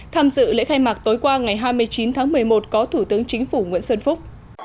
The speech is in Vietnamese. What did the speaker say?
tham dự lễ khai mạc tối qua ngày hai mươi chín tháng một mươi một có thủ tướng chính phủ nguyễn xuân phúc